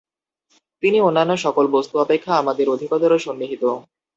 তিনি অন্যান্য সকল বস্তু অপেক্ষা আমাদের অধিকতর সন্নিহিত।